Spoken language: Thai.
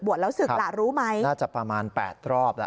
แล้วศึกล่ะรู้ไหมน่าจะประมาณ๘รอบล่ะ